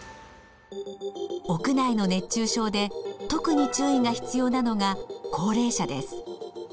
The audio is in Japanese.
屋内の熱中症で特に注意が必要なのが高齢者です。